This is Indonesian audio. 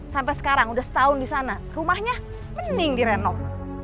sampai sekarang udah setahun disana rumahnya mening direnok